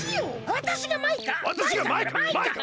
わたしがマイカ！